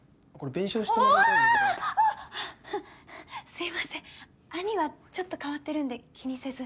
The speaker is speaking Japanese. すいません兄はちょっと変わってるんで気にせず。